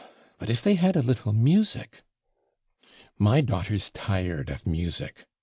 but if they had a little music.' 'My daughter's tired of music.